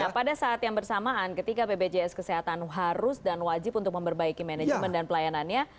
nah pada saat yang bersamaan ketika bpjs kesehatan harus dan wajib untuk memperbaiki manajemen dan pelayanannya